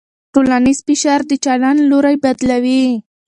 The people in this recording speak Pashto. ټولنیز فشار د چلند لوری بدلوي.